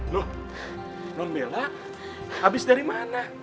nuh nombela habis dari mana